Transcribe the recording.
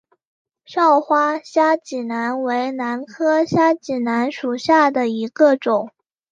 少花虾脊兰为兰科虾脊兰属下的一个种。